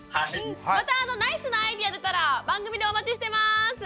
またナイスなアイデア出たら番組でお待ちしてます。